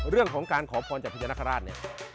เรื่องของการขอพรจากพญานาคาราชเนี่ย